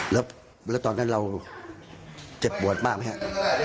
แล้วตอนนั้นเราเจ็บปวดมากมั้ยฮะ